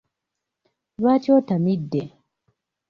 Lwaki otamidde?